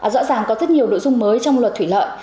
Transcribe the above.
rõ ràng có rất nhiều nội dung mới trong luật thủy lợi